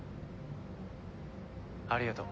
ありがとう。